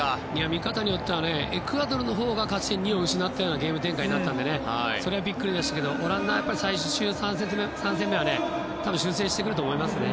見方によってはエクアドルのほうが勝ち点２を失ったような試合になったのでそれはびっくりでしたけどオランダは最終３戦目は多分修正してくると思いますね。